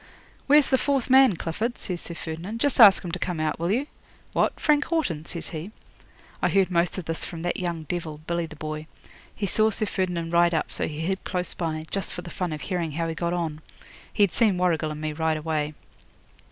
'"Where's the fourth man, Clifford?" says Sir Ferdinand. "Just ask him to come out, will you?" '"What, Frank Haughton?" says he. 'I heard most of this from that young devil, Billy the Boy. He saw Sir Ferdinand ride up, so he hid close by, just for the fun of hearing how he got on. He'd seen Warrigal and me ride away.